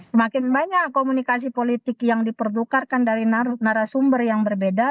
semakin banyak komunikasi politik yang dipertukarkan dari narasumber yang berbeda